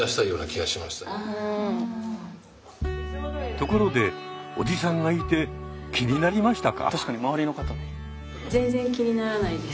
ところでおじさんがいて気になりましたか？